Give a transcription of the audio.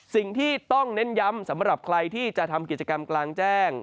สิ่งที่ต้องเน้นย้ำสำหรับใครที่จะทำกิจกรรมกลางแจ้ง